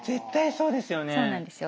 そうなんですよ。